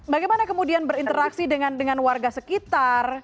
bagaimana kemudian berinteraksi dengan warga sekitar